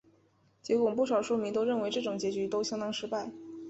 结果不少书迷都认为这种结局相当失败。